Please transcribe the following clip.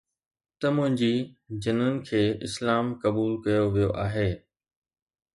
ته منهنجي جنن کي اسلام قبول ڪيو ويو آهي